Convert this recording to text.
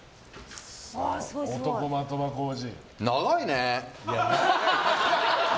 漢、的場浩司。